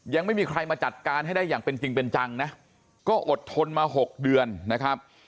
ยังไม่มีใครมาจัดการให้ได้อย่างเป็นจริงเป็นจังนะก็อดทนมา๖เดือนนะครับ